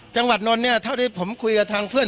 จังหวัดนนท์ถ้าผมคุยกับทางเพื่อน